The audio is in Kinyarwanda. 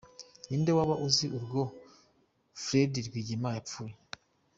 Ni nde waba uzi urwo Fred Rwigema yapfuye ?